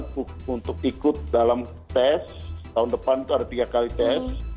dan mereka di rekrut dalam tes tahun depan itu ada tiga kali tes